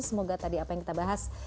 semoga tadi apa yang kita bahas